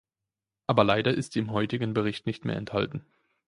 Aber leider ist die im heutigen Bericht nicht mehr enthalten.